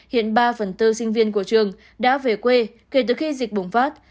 hiện ba phần tư sinh viên của trường đã về quê kể từ khi dịch bùng phát